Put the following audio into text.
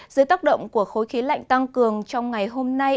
dưới tác động của khối khí lạnh tăng cường trong ngày hôm nay